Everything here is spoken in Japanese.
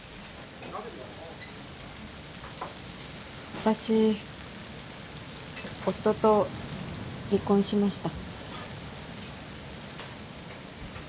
私夫と離婚しました。